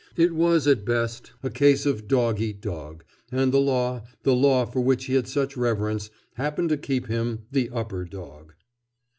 It was, at best, a case of dog eat dog, and the Law, the Law for which he had such reverence, happened to keep him the upper dog.